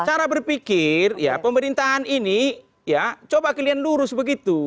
cara berpikir ya pemerintahan ini ya coba kalian lurus begitu